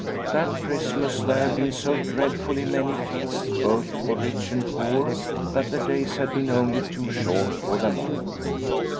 That Christmas there had been so dreadfully many feasts both for rich and poor that the days had been only too short for them all.